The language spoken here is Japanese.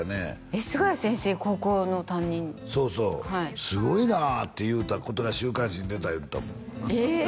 高校の担任そうそうすごいなって言うたことが週刊誌に出た言うてたもんえ